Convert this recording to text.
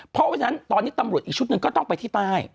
เพราะฉะนั้นตอนนี้ตำรวจอีกชุดหนึ่งก็ต้องไปที่ใต้